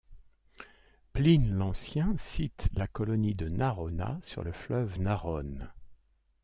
Pline l'Ancien cite la colonie de Narona, sur le fleuve Narone.